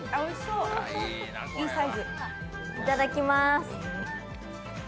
いただきます。